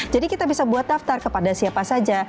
jadi kita bisa buat daftar kepada siapa saja